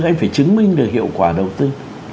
anh phải chứng minh được hiệu quả đầu tư